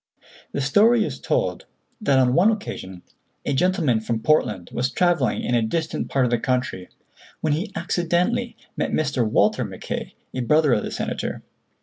The story is told that on one occasion a gentleman from Portland was travelling in a distant part of the country, when he accidentally met Mr. Walter Mackay, a brother of the Senator.